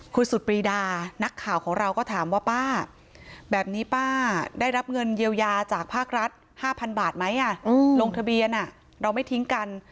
คุณสุดปรีดานักข่าวของเราก็ถามว่าป้าแบบนี้ป้าได้รับเงินเยียวยาจากภาครัฐ๕๐๐บาทไหมลงทะเบียนเราไม่ทิ้งกัน